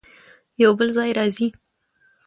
يو بل ځای راځي